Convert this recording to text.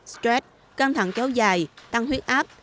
stress căng thẳng kéo dài tăng huyết áp